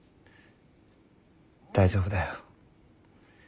大丈夫だよ。